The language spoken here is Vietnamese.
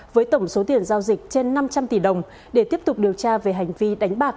với tổng số tiền giao dịch trên năm trăm linh tỷ đồng để tiếp tục điều tra về hành vi đánh bạc